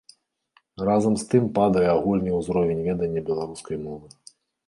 Разам з тым падае агульны ўзровень ведання беларускай мовы.